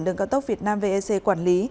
đường cao tốc việt nam vec quản lý